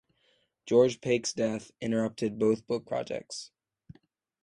George Pake's death interrupted both book projects.